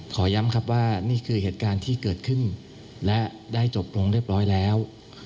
ขอย้ำครับว่านี่คือเหตุการณ์ที่เกิดขึ้นและได้จบลงเรียบร้อยแล้ว